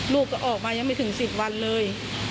ลูกก็ออกมายังไม่ถึง๑๐วันเลย